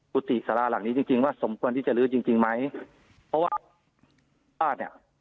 กุฏิสาราหลังนี้จริงจริงว่าสมควรที่จะลื้อจริงจริงไหมเพราะว่าป้าเนี่ย